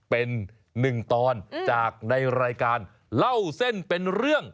เป็นหนึ่งตอนจากในรายการเล่าเส้นเป็นเรื่อง